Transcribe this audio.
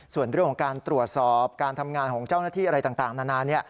ส่วนเรื่องของการตรวจสอบการทำงานของเจ้าหน้าที่อะไรต่างนานา